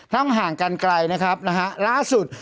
ทั้งห่างกันไกลนะครับล้าสุด